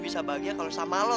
bener bener naik mandi